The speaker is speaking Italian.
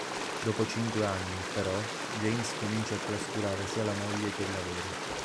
Dopo cinque anni, però, James comincia a trascurare sia la moglie che il lavoro.